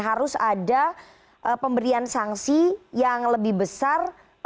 harus ada pemberian sanksi yang lebih besar